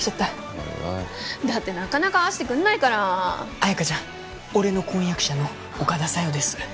おいおいなかなか会わしてくんないから綾華ちゃん俺の婚約者の岡田小夜です